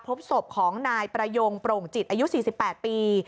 พบศพของนายประยงโปร่งจิตอายุ๔๘ปี